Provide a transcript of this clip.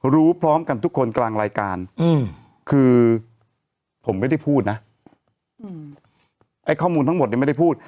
พร้อมกันทุกคนกลางรายการคือผมไม่ได้พูดนะไอ้ข้อมูลทั้งหมดเนี่ยไม่ได้พูด